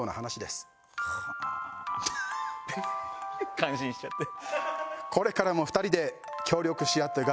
感心しちゃってる。